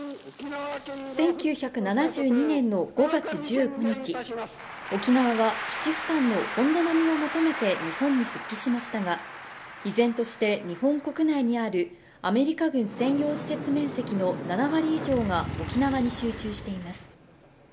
１９７２年の５月１５日、沖縄は基地負担の本土並みを求めて日本に復帰しましたが、依然として日本国内にあるアメリカ軍専用施設面積の７割以上が沖縄に集中しています。